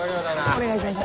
お願いします。